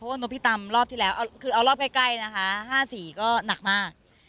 เพราะว่านกพี่ตำรอบที่แล้วคือเอารอบใกล้นะคะ๕๔ก็หนักมาก